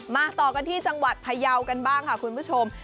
มาต่อกันที่จังหวัดพยาวกันบ้างค่ะคุณผู้ชม